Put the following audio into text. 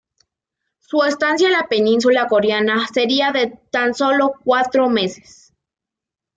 Su estadía en la península coreana sería de tan solo cuatro meses.